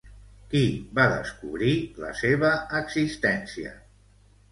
Qui va descobrir la seva existència?